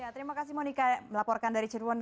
terima kasih monika melaporkan dari cirebon